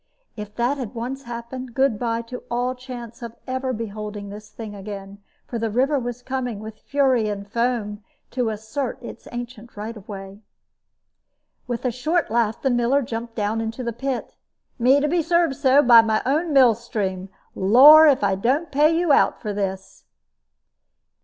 If that had once happened, good by to all chance of ever beholding this thing again, for the river was coming, with fury and foam, to assert its ancient right of way. With a short laugh the miller jumped down into the pit. "Me to be served so, by my own mill stream! Lor', if I don't pay you out for this!"